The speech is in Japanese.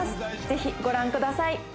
ぜひご覧ください